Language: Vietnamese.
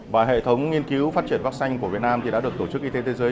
và hệ thống nghiên cứu phát triển vaccine của việt nam thì đã được tổ chức y tế thế giới